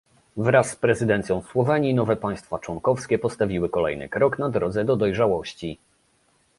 Wraz z prezydencją Słowenii nowe państwa członkowskie postawiły kolejny krok na drodze do dojrzałości